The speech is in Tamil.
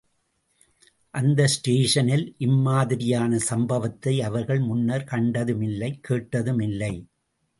அந்த ஸ்டேஷனில் இம்மாதிரியான சம்பவத்தை அவர்கள் முன்னர் கண்டதுமில்லை, கேட்டதுமில்லை.